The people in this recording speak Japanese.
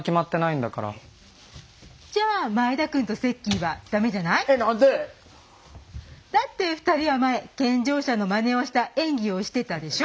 だって二人は前健常者のまねをした演技をしてたでしょ。